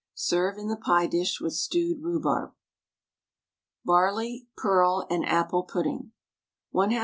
Serve in the pie dish with stewed rhubarb. BARLEY (PEARL) AND APPLE PUDDING. 1/2 lb.